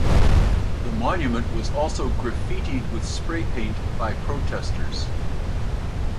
The monument was also graffitied with spray paint by protesters.